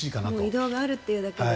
移動があるというだけで。